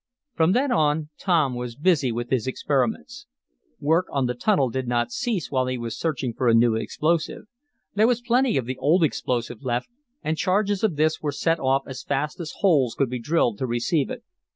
From then on Tom was busy with his experiments. Work on the tunnel did not cease while he was searching for a new explosive. There was plenty of the old explosive left and charges of this were set off as fast as holes could be drilled to receive it.